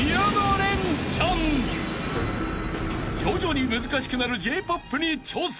［徐々に難しくなるＪ−ＰＯＰに挑戦］